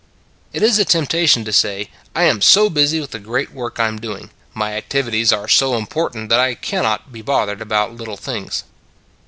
It is a temptation to say, "I am so busy with the great work I am doing, my activi ties are so important, that I can not be bothered about little things."